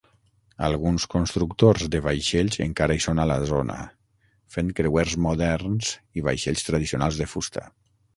Alguns constructors de vaixells encara hi són a la zona, fent creuers moderns i vaixells tradicionals de fusta.